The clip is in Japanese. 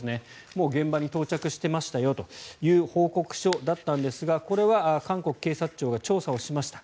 もう現場に到着してましたよという報告書だったんですがこれは韓国警察庁が調査をしました。